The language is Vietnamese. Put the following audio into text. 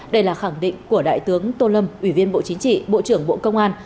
đây là khẳng định của đại tướng tô lâm ủy viên bộ chính trị bộ trưởng bộ công an